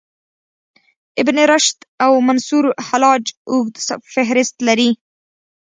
ابن رشد او منصورحلاج اوږد فهرست لري.